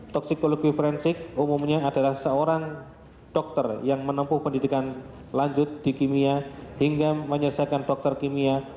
toksikologi forensik umumnya adalah seorang dokter yang menempuh pendidikan lanjut di kimia hingga menyelesaikan dokter kimia